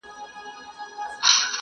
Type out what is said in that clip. نوي نوي غزل راوړه د ژوندون له رنګینیو,